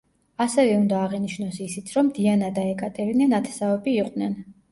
ასევე უნდა აღინიშნოს ისიც, რომ დიანა და ეკატერინე ნათესავები იყვნენ.